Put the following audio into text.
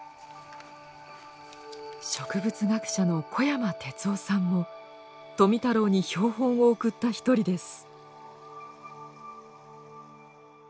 植物学者の小山鐵夫さんも富太郎に標本を送った一人です。